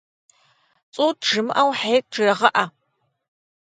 Цӏут жымыӏэу, Хьет жегъыӏэ!